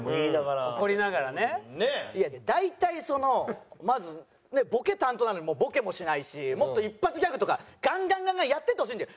大体そのまずボケ担当なのにボケもしないしもっと一発ギャグとかガンガンガンガンやっていってほしいんだよ！